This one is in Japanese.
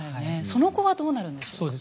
その後はどうなるんでしょう。